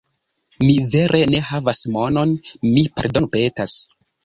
Mi vere ne havas monon, mi pardonpetas